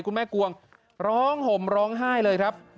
คุณแม่กวงร้องห่มร้องไห้เลยครับ